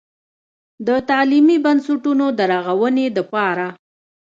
د تعليمي بنسټونو د رغونې دپاره